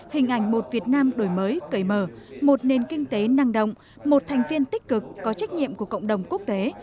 hình ảnh một việt nam đổi mới cởi mở một nền kinh tế năng động một thành viên tích cực có trách nhiệm của cộng đồng quốc tế